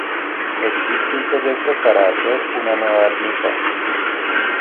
Existe un proyecto para hacer una nueva ermita.